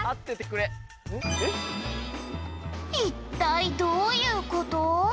「一体どういう事？」